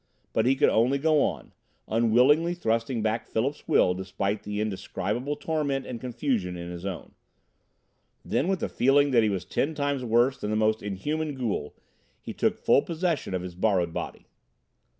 But he could only go on, unwillingly thrusting back Philip's will despite the indescribable torment and confusion in his own. Then, with the feeling that he was ten times worse than the most inhuman ghoul, he took full possession of his borrowed body.